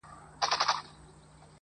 نه واسکټ، نه به ځان مرګی، نه به ترور وي٫